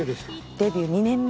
デビュー２年目。